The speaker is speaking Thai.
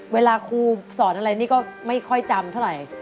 เวลาครูสอนอะไรนี่ก็ไม่ค่อยจำเท่าไหร่